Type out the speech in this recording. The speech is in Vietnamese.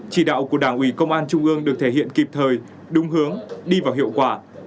chỉ đạo của đảng ủy công an trung ương được thể hiện kịp thời đúng hướng đi vào hiệu quả